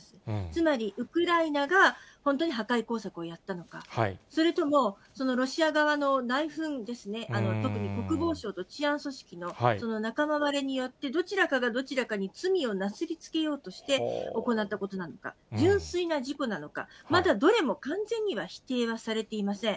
つまり、ウクライナが本当に破壊工作をやったのか、それとも、ロシア側の内紛ですね、特に国防省と治安組織の仲間割れによって、どちらかがどちらかに罪をなすりつけようとして行ったことなのか、純粋な事故なのか、まだどれも完全には否定はされていません。